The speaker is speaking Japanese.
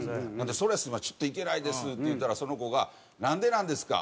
「それはちょっと行けないです」って言ったらその子が「なんでなんですか！」